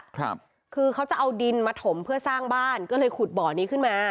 ครับคือเขาจะเอาดินมาถมเพื่อสร้างบ้านก็เลยขุดบ่อนี้ขึ้นมา